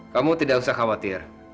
kamu tidak usah khawatir